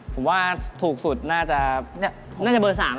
ผมว่าถูกสุดน่าจะเบอร์๓ครับ